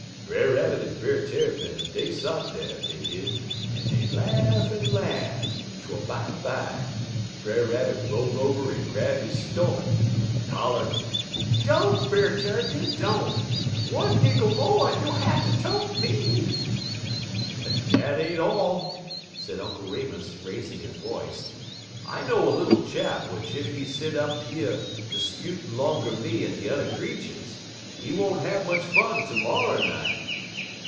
"Brer Rabbit en Brer Tarrypin, dey sot dar, dey did, en dey laugh en laugh, twel bimeby, Brer Rabbit roll over en grab he stomach, en holler: "'Don't, Brer Tarrypin! don't! One giggle mo' en you'll hatter tote me.' "En dat ain't all," said Uncle Remus, raising his voice. "I know a little chap w'ich ef he set up yer 'sputin' 'longer me en de t'er creeturs, he won't have much fun termorrer night."